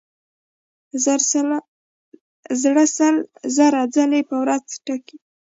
زړه سل زره ځلې په ورځ ټکي.